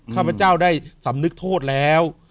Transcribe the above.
ข้าพเจ้าได้สำนึกโทษแล้ว